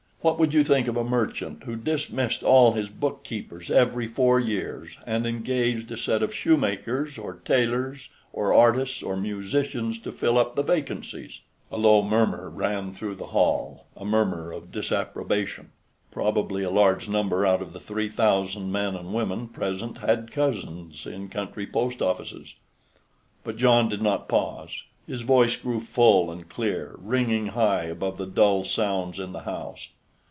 What would you think of a merchant who dismissed all his book keepers every four years, and engaged a set of shoemakers, or tailors, or artists, or musicians to fill up the vacancies?" A low murmur ran through the hall, a murmur of disapprobation. Probably a large number out of the three thousand men and women present had cousins in country post offices. But John did not pause; his voice grew full and clear, ringing high above the dull sounds in the house.